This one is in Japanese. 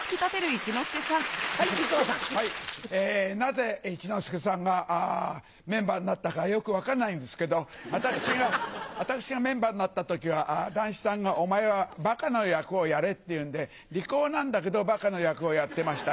なぜ、一之輔さんがメンバーになったか、よく分かんないんですけど、私がメンバーになったときは、談志さんがお前はばかの役をやれっていうんで、利口なんだけど、ばかの役をやってました。